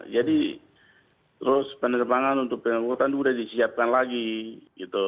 jadi terus penerbangan untuk penerbangan sudah disiapkan lagi gitu